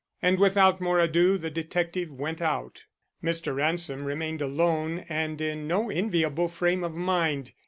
And without more ado the detective went out. Mr. Ransom remained alone and in no enviable frame of mind.